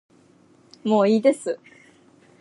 もういいです